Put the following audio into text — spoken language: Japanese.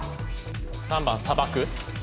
３番砂漠？